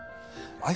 はい。